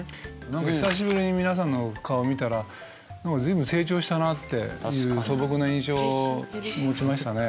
何か久しぶりに皆さんの顔見たら随分成長したなっていう素朴な印象を持ちましたね。